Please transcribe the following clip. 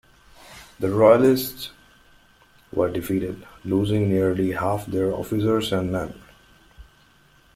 The Royalists were defeated, losing nearly half their officers and men.